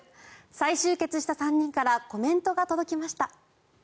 再集結した３人からコメントが届きました。